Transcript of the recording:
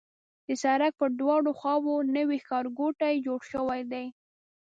د سړک پر دواړو خواوو نوي ښارګوټي جوړ شوي دي.